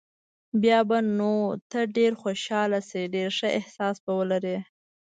بیا به نو ته ډېر خوشاله شې، ډېر ښه احساس به ولرې.